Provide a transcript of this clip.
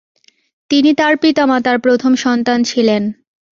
তিনি তার পিতামাতার প্রথম সন্তান ছিলেন।